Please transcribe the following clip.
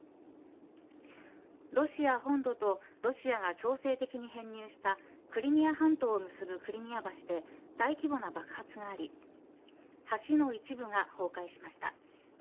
ロシア本土とロシアが強制的に編入したクリミア半島を結ぶクリミア橋で大規模な爆発があり橋の一部が崩壊しました。